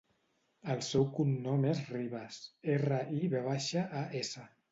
El seu cognom és Rivas: erra, i, ve baixa, a, essa.